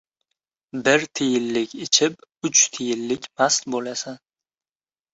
• Bir tiyinlik ichib, uch tiyinlik mast bo‘lasan.